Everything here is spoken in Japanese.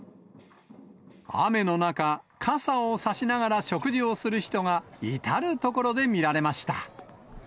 雨の中、傘を差しながら食事をする人が至る所で見られました。